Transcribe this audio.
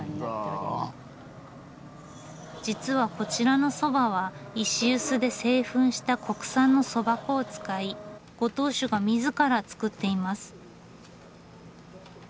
実はこちらのそばは石臼で製粉した国産のそば粉を使いご当主が自ら作っています。